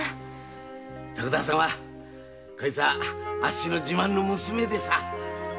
こいつはあっしの自慢の娘でさぁ。